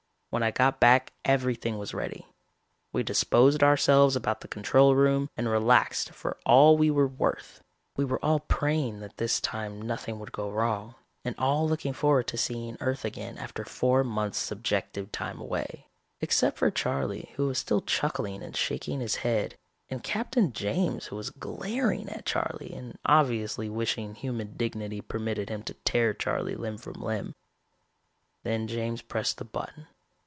When I got back everything was ready. We disposed ourselves about the control room and relaxed for all we were worth. We were all praying that this time nothing would go wrong, and all looking forward to seeing Earth again after four months subjective time away, except for Charley, who was still chuckling and shaking his head, and Captain James who was glaring at Charley and obviously wishing human dignity permitted him to tear Charley limb from limb. Then James pressed the button.